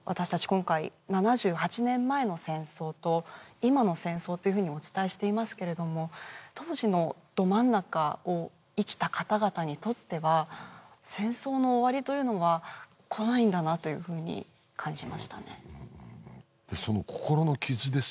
今回７８年前の戦争と今の戦争というふうにお伝えしていますけれども当時のど真ん中を生きた方々にとっては戦争の終わりというのはこないんだなというふうに感じましたねでその心の傷ですよね